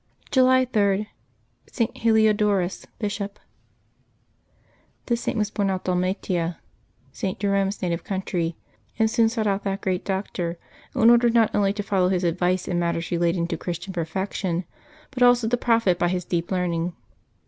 July 4] LIVES OF TEE SAINTS 237 July 3.— ST. HELIODORUS, Bishop. ^<His Saint was born at Dalmatia, St. Jerome's natWe ^^ country, and soon sought out that great Doctor, i n order not only to follow his advice in matters relating to Christian perfection, but also to profit by his deep learning.